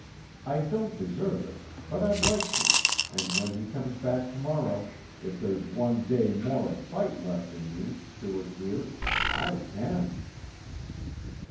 I don't deserve it, but I'd like to ... and when he comes back to morrow, if there's one day more of fight left in you, Stuart dear I can."